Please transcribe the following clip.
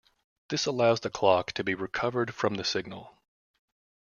This allows the clock to be recovered from the signal.